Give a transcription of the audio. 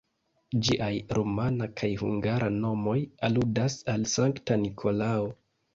Ĝiaj rumana kaj hungara nomoj aludas al Sankta Nikolao.